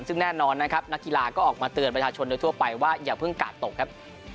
ซึ่งแน่นอนนะครับนักกีฬาก็ออกมาเตือนประชาชนโดยทั่วไปว่าอย่าเพิ่งกาดตกครับ